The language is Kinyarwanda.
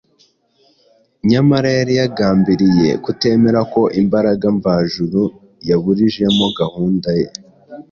nyamara yari yagambiriye kutemera ko imbaraga mvajuru yaburijemo gahunda ye